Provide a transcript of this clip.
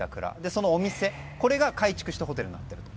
そのお店、これが改築されたホテルになっていると。